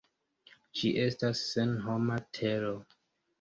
Ĝi estas senhoma tero.